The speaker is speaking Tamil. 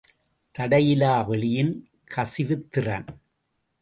தடையிலா வெளியின் கசிவுத் திறன்.